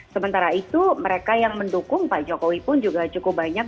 sementara itu mereka yang mendukung pak jokowi pun juga cukup banyak